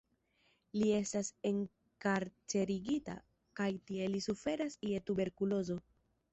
Li estas enkarcerigita, kaj tie li suferas je tuberkulozo.